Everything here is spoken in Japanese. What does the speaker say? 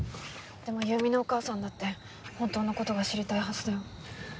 でも優美のお母さんだって本当の事が知りたいはずだよ。